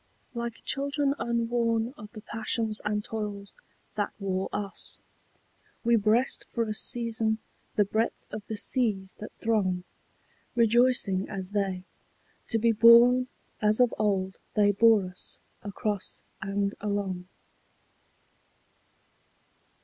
Like children unworn of the passions and toils that wore us, We breast for a season the breadth of the seas that throng, Rejoicing as they, to be borne as of old they bore us Across and along.